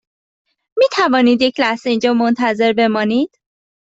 می توانید یک لحظه اینجا منتظر بمانید؟